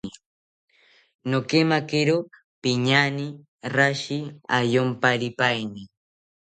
Nokemakiro piñaane rashi ayomparipaeni